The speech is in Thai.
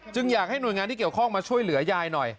อยากให้หน่วยงานที่เกี่ยวข้องมาช่วยเหลือยายหน่อย